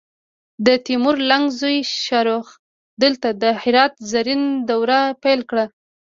د تیمور لنګ زوی شاهرخ دلته د هرات زرین دور پیل کړ